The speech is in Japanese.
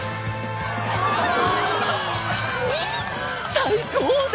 最高だ！